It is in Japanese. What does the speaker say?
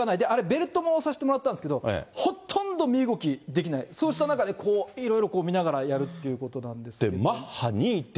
ベルトもさせてもらったんですけれども、ほとんど身動きできない、そうした中で、こう、いろいろ見ながらやるっていうことなんですけれども。